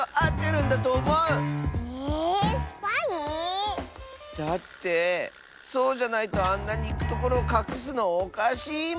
ええっスパイ⁉だってそうじゃないとあんなにいくところをかくすのおかしいもん！